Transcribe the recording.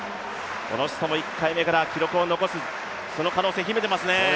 この人も１回目から記録を残す可能性を秘めていますね。